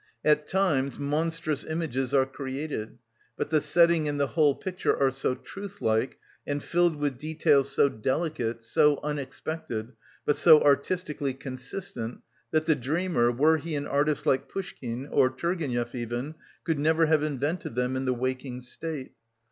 At times monstrous images are created, but the setting and the whole picture are so truth like and filled with details so delicate, so unexpectedly, but so artistically consistent, that the dreamer, were he an artist like Pushkin or Turgenev even, could never have invented them in the waking state.